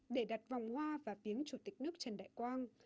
để đặt vòng hoa và viếng chủ tịch nước trần đại quang